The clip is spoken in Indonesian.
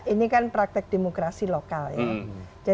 ini kan praktek demokrasi lokal ya